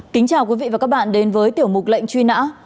kính chào quý vị và các bạn đến với tiểu mục lệnh truy nã